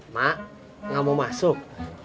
mak gak mau masuk